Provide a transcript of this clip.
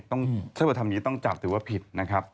ถ้าเกิดทำอย่างนี้ต้องจับถือว่าผิดนะครับ